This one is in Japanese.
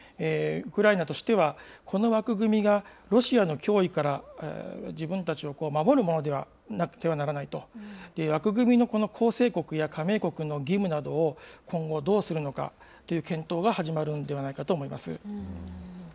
ウクライナとしては、この枠組みがロシアの脅威から自分たちを守るものでなくてはならないと、枠組みの、この構成国や加盟国の義務などを、今後、どうするのかという検討が始まるんではないかと思います。